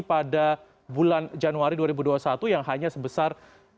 pada bulan januari dua ribu dua puluh satu yang hanya sebesar